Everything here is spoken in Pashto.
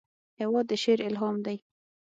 هېواد د شعر الهام دی.